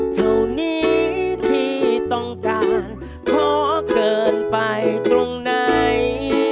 เท่านี้ที่ต้องการท้อเกินไปตรงไหน